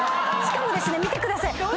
しかも見てください！